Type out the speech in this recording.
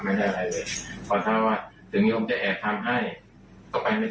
ไม่เจออะไรเลยเขาชอบอะไรเราก็ไม่ได้